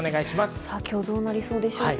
今日はどうなりそうでしょうか？